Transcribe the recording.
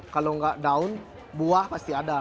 kalau nggak daun buah pasti ada